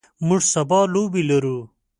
موږ سبا لوبې لرو.